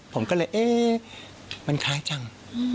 ผมก็เลยเอ๊ะมันคล้ายจัง